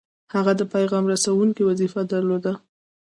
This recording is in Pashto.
هغه د پیغام رسوونکي وظیفه درلوده.